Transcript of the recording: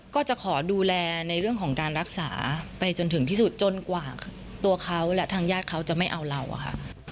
ก็จะขอดูแลในเรื่องของการรักษาไปจนถึงที่สุดจนกว่าตัวเขาและทางญาติเขาจะไม่เอาเราอะค่ะ